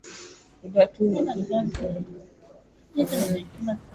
Katika bajeti ya nyongeza Rais aliidhinisha shilingi bilioni thelathini na nne